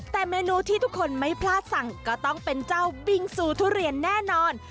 แต่เมนูที่ทุกคนไม่พลาดสั่งก็ต้องเป็นเจ้าบิงซูทุเรียนแน่นอน